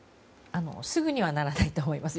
すぐにはならないと思います。